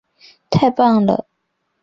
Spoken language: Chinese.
他于藏历火马年生于卫堆奔珠宗地方。